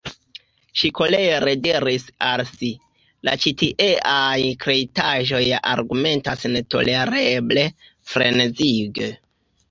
Ŝi kolere diris al si: "La ĉitieaj kreitaĵoj ja argumentas netolereble, frenezige."